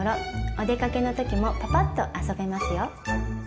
お出かけの時もパパッと遊べますよ。